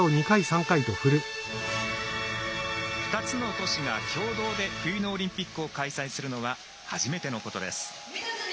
２つの都市が共同で冬のオリンピックを開催するのは初めてのことです。